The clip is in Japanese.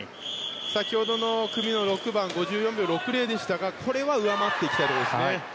先ほどの組の６番５４秒６０でしたがこれは上回っていきたいですね。